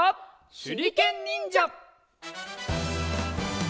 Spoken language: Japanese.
「しゅりけんにんじゃ」！